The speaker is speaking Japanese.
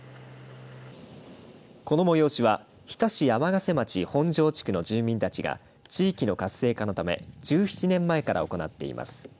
この催しは日田市天瀬町本城地区の住民たちが地域の活性化のため１７年前から行っています。